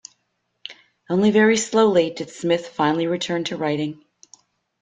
Only very slowly did Smith finally return to writing.